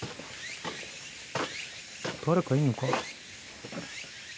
誰かいるのか？